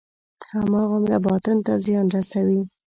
هماغومره باطن ته زیان رسوي.